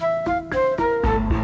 vu dan tim gigi